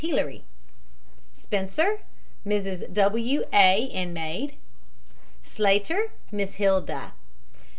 HELEERY SPENCER, MRS. W. A., and maid. SLAYTER, MISS HILDA.